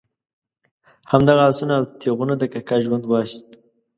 همدغه آسونه او تیغونه د کاکا ژوند واخیست.